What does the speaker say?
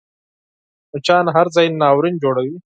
مچان هر ځای ناورین جوړوي